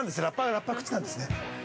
◆ラッパは口なんですね。